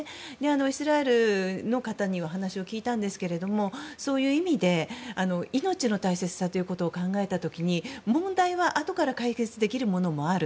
イスラエルの方にお話を聞いたんですがそういう意味で、命の大切さということを考えた時に問題はあとから解決できるものもある。